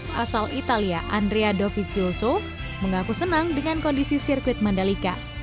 pasal italia andrea dovizioso mengaku senang dengan kondisi sirkuit mandalika